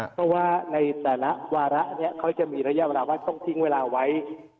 เพราะว่าในแต่ละวาระเขาจะมีระยะเวลาว่าต้องทิ้งเวลาไว้